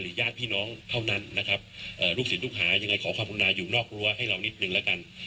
ญาติพี่น้องเท่านั้นนะครับลูกศิษย์ลูกหายังไงขอความคุณนาอยู่นอกรั้วให้เรานิดหนึ่งแล้วกัน